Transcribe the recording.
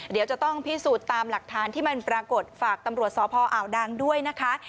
เดี๋ยวจะต้องพิสูจน์ตามหลักฐานที่มันปรากฏฝากตำรวจสพอ่าวดังด้วยนะคะ